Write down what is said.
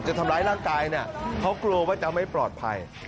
จะทำร้ายร่างกายเนี่ยเขากลัวว่าจะไม่ปลอดภัย